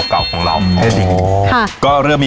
การกินผัสเพิ่ม